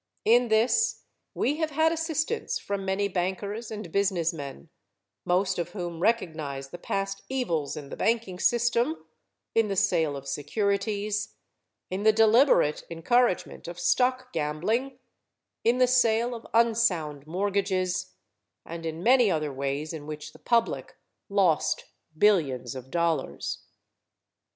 In this we have had assistance from many bankers and businessmen, most of whom recognize the past evils in the banking system, in the sale of securities, in the deliberate encouragement of stock gambling, in the sale of unsound mortgages and in many other ways in which the public lost billions of dollars.